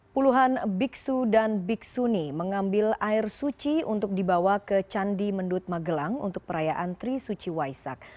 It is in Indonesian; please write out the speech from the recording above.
puluhan biksu dan biksuni mengambil air suci untuk dibawa ke candi mendut magelang untuk perayaan trisuci waisak